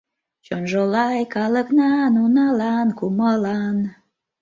Чонжо лай калыкнан, — Уналан кумылан.